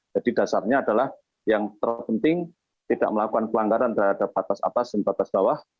jadi dasarnya adalah yang terpenting tidak melakukan kelanggaran terhadap batas atas dan batas bawah